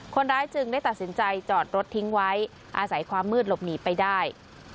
คนร้ายจึงได้ตัดสินใจจอดรถทิ้งไว้อาศัยความมืดหลบหนีไปได้